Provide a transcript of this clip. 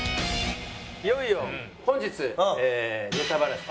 いよいよ本日ネタバラシ。